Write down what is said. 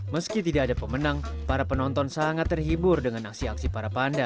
meski tidak ada pemenang para penonton sangat terhibur dengan aksi aksi para panda